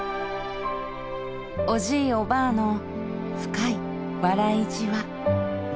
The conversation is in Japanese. おじいおばあの深い笑いじわ。